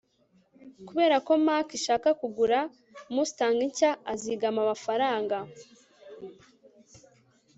kubera ko mac ishaka kugura mustang nshya, azigama amafaranga